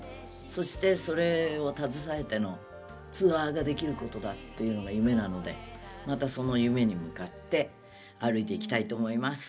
そしてそれを携えてのツアーができることだっていうのが夢なのでまたその夢に向かって歩いていきたいと思います。